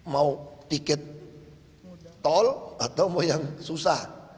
mau tiket tol atau mau yang susah